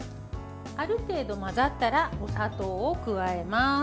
ある程度混ざったらお砂糖を加えます。